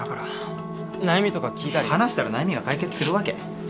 話したら悩みが解決するわけ？